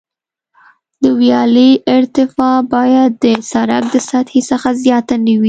د ویالې ارتفاع باید د سرک د سطحې څخه زیاته نه وي